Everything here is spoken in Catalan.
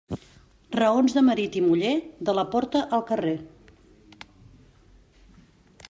Raons de marit i muller, de la porta al carrer.